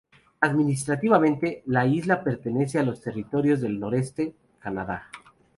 Administrativamente, la isla pertenece a los Territorios del Noroeste, Canadá.